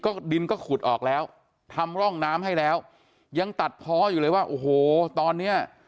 ก็ดินก็ขุดออกแล้วทำร่องน้ำให้แล้วยังตัดเพาะอยู่เลยว่าโอ้โหตอนเนี้ย